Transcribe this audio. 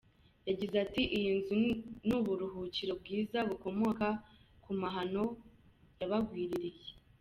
Yagize ati “ Iyi nzu ni uburuhukiro bwiza bukomoka ku mahano yabagwiririye “.